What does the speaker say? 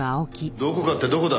どこかってどこだ？